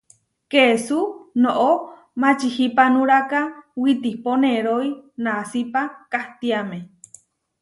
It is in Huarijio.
Kesú noʼó mačihipanuráka witipo neroí nasípa kahtiáme.